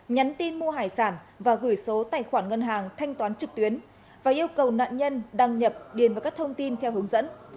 nhắn tin mua hải sản và gửi số tài khoản ngân hàng thanh toán trực tuyến và yêu cầu nạn nhân đăng nhập điền vào các thông tin theo hướng dẫn